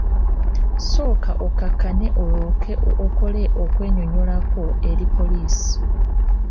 Sooka okakkane olyoke okole okwennyonnyolako eri poliisi.